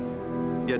itu udah milo daftarin